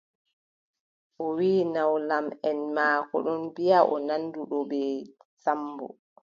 O wiʼi nawlamʼen maako ɗon mbiʼi o nanduɗo bee Sammbo.